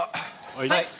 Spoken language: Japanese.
はい。